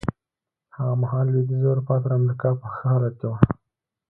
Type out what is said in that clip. هغه مهال لوېدیځه اروپا تر امریکا په ښه حالت کې وه.